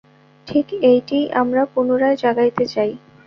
ঠিক এইটিই আমরা পুনরায় জাগাইতে চাই।